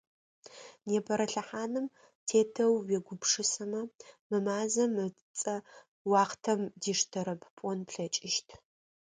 Непэрэ лъэхъаным тетэу уегупшысэмэ, мы мазэм ыцӏэ уахътэм диштэрэп пӏон плъэкӏыщт.